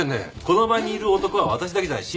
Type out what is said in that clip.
この場にいる男は私だけじゃない。